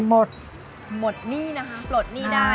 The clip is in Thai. หมดหมดหนี้นะคะปลดหนี้ได้